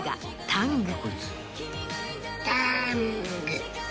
タング。